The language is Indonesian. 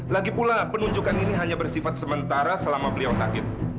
lagipula penunjukan ini hanya bersifat sementara selama beliau sakit